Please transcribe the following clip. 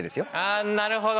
あなるほど。